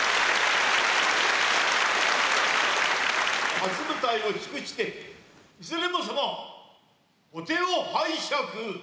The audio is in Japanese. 初舞台を祝していずれも様お手を拝借。